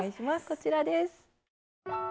こちらです。